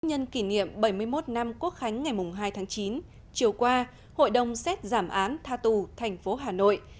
nhân kỷ niệm bảy mươi một năm quốc khánh ngày hai tháng chín chiều qua hội đồng xét giảm án tha tù thành phố hà nội